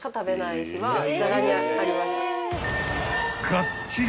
［かっちり］